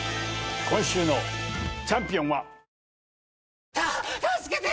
今週のチャンピオンは。